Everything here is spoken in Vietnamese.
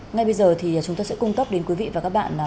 ngay bây giờ thì chúng tôi sẽ cung cấp đến quý vị và các bạn